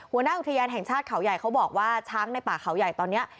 หัวหน้าอุทยานแห่งชาติเขาใหญ่เขาบอกว่าช้างในป่าเขาใหญ่ตอนนี้